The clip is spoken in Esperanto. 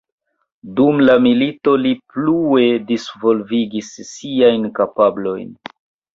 Dum la milito li plue disvolvigis siajn kapablojn.